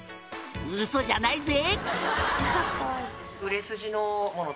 「ウソじゃないぜ」